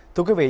thưa quý vị